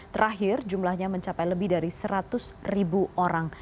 terakhir jumlahnya mencapai lebih dari seratus ribu orang